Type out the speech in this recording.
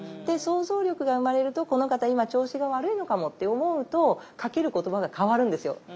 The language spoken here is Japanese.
で想像力が生まれると「この方今調子が悪いのかも」って思うとかける言葉が変わるんですよ。